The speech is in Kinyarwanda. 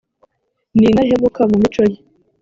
nindahemuka mumicoye.